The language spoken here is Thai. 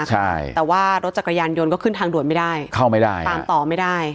ใช่แต่ว่ารถจักรยานยนต์ก็ขึ้นทางด่วนไม่ได้เข้าไม่ได้ตามต่อไม่ได้